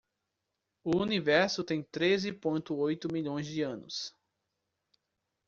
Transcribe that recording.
O Universo tem treze ponto oito milhões de anos.